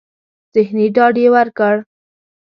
ذهني ډاډ يې ورکړ.